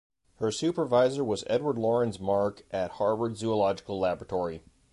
Her supervisor was Edward Laurens Mark at Harvard Zoological Laboratory.